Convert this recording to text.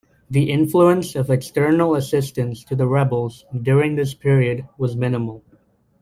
The influence of external assistance to the rebels during this period was minimal.